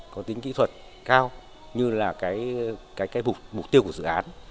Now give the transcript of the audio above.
có tính kỹ thuật cao như là cái mục tiêu của dự án